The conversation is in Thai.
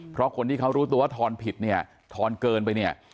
เพราะคนที่เขารู้ตัวว่าทอนผิดเนี่ยทอนเกินไปเนี่ย